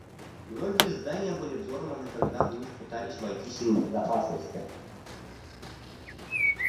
Многие здания были взорваны, когда в них пытались войти силы безопасности.